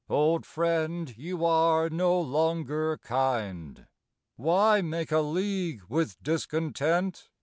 Old friend, you are no longer kind. Why make a league with Discontent